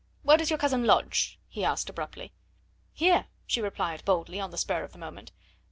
Where does your cousin lodge?" he asked abruptly. "Here," she replied boldly, on the spur of the moment.